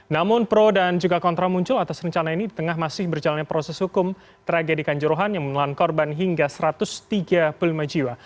namun pro dan juga kontra muncul atas rencana ini di tengah masih berjalannya proses hukum tragedi kanjuruhan yang menelan korban hingga satu ratus tiga puluh lima jiwa